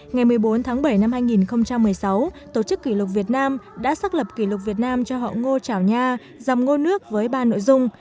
ngày một mươi bốn tháng bảy năm hai nghìn một mươi sáu tổ chức kỷ lục việt nam đã xác lập kỷ lục việt nam cho họ ngô trảo nha dầm ngôi nước với ba nội dung